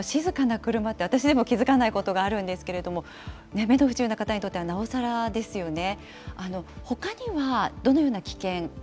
本当、静かな車って、私でも気付かないことがあるんですけれども、目の不自由な方にとってはなおさらですよね。